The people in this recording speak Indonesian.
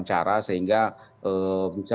cara sehingga bisa